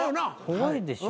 怖いでしょ。